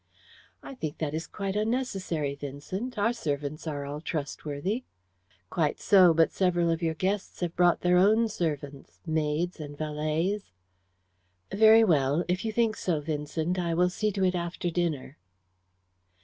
"I think that is quite unnecessary, Vincent. Our servants are all trustworthy." "Quite so, but several of your guests have brought their own servants maids and valets." "Very well. If you think so, Vincent, I will see to it after dinner."